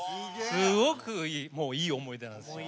すごくいい思い出なんです。